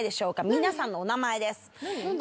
皆さんのお名前です。